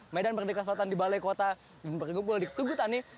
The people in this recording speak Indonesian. medan merdeka selatan di balai kota dan berkumpul di tugutani